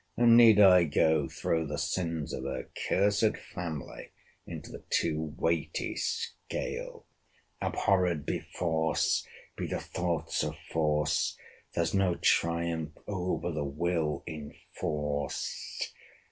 And need I go throw the sins of her cursed family into the too weighty scale? [Abhorred be force!—be the thoughts of force!—There's no triumph over the will in force!